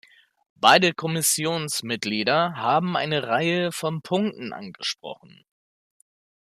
Beide Kommissionsmitglieder haben eine Reihe von Punkten angesprochen.